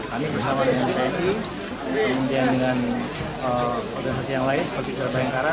kami bersama dengan bnpt kemudian dengan organisasi yang lain seperti jawa pahingkara